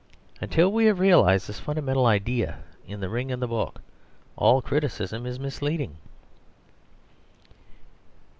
Until we have realised this fundamental idea in The Ring and the Book all criticism is misleading.